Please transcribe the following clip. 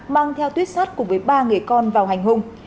mang theo tuyết sát cùng với ba người con vào hành hung